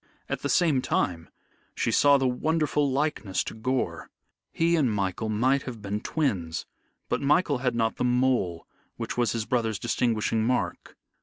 At the same time, she saw the wonderful likeness to Gore. He and Michael might have been twins, but Michael had not the mole which was his brother's distinguishing mark.